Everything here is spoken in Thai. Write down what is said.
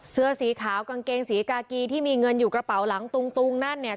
เสื้อสีขาวกางเกงสีกากีที่มีเงินอยู่กระเป๋าหลังตุงนั่นเนี่ย